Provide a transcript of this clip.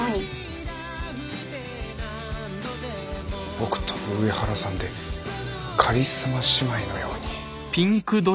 僕と上原さんでカリスマ姉妹のように。